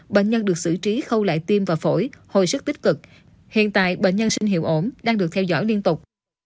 bệnh nhân được xử trí khâu lại tiêm và phổi hồi sức tích cực hiện tại bệnh nhân sinh hiệu ổn đang được theo dõi liên tục